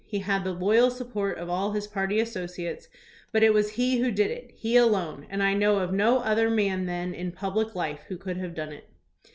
He had the loyal support of all his party associates; but it was he who did it, he alone, and I know of no other man then in public life who could have done it.